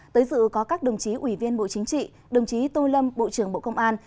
tới dự có các đồng chí ủy viên bộ chính trị đồng chí tô lâm bộ trưởng bộ công an